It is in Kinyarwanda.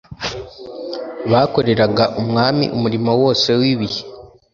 bakoreraga umwami umurimo wose w ibihe